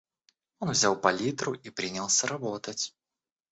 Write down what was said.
Он взял палитру и принялся работать.